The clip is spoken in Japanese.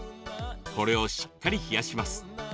これを、しっかり冷やします。